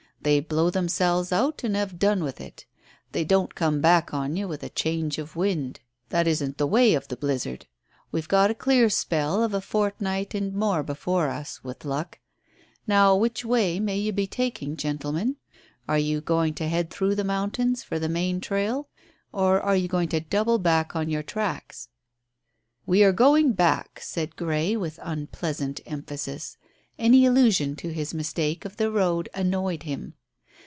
"They blow themselves out and have done with it. They don't come back on you with a change of wind. That isn't the way of the blizzard. We've got a clear spell of a fortnight and more before us with luck. Now, which way may you be taking, gentlemen? Are you going to head through the mountains for the main trail, or are you going to double on your tracks?" "We are going back," said Grey, with unpleasant emphasis. Any allusion to his mistake of the road annoyed him.